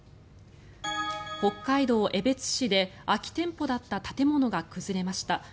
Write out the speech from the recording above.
北海道江別市で空き店舗だった建物が崩れました。